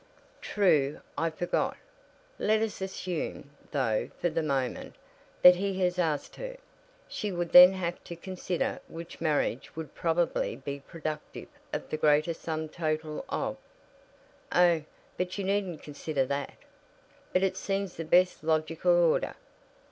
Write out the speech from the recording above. "True; I forgot. Let us assume, though, for the moment, that he has asked her. She would then have to consider which marriage would probably be productive of the greater sum total of " "Oh, but you needn't consider that." "But it seems the best logical order.